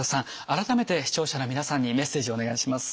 改めて視聴者の皆さんにメッセージお願いします。